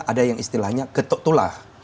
ada yang istilahnya getuk tular